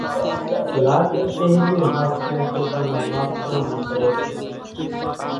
لاڏي پھريون ۿاچمون پوتا نان ماوتران مان ڪري سي۔